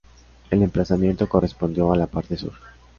El emplazamiento correspondió a la parte sur.